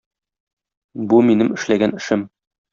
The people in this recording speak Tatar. Бу минем эшләгән эшем.